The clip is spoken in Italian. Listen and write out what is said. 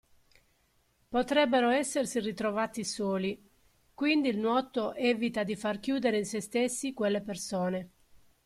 Potrebbero essersi ritrovati soli, quindi il nuoto evita di far chiudere in sé stessi quelle persone.